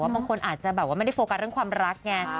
บางคนอาจจะแบบว่าไม่ได้โฟกัสเรื่องความรักไง